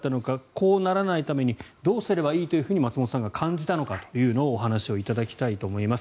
こうならないためにどうすればいいと松本さんが感じたかというのをお話しいただきたいと思います。